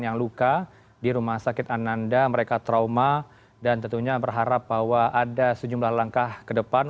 yang luka di rumah sakit ananda mereka trauma dan tentunya berharap bahwa ada sejumlah langkah ke depan